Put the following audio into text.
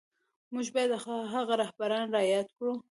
موږ بايد هغه رهبران را ياد کړو.